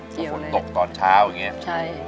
เกี่ยวเลยนะใช่